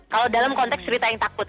kalau dalam konteks cerita yang takut